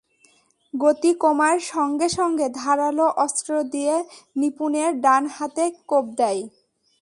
গতি কমার সঙ্গে সঙ্গে ধারালো অস্ত্র দিয়ে নিপুণের ডান হাতে কোপ দেয়।